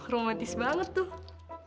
romantis banget tuh